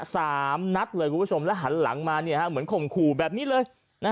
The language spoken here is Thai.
สามนัดเลยคุณผู้ชมแล้วหันหลังมาเหมือนข่มขู่แบบนี้เลย